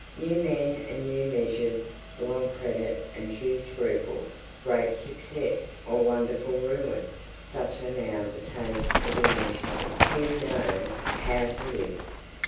New men and now measures, long credit and few scruples, great success and wonderful ruin, such are now the tastes of Englishmen who know how to live.